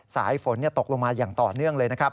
สายฝนตกลงมาอย่างต่อเนื่องเลย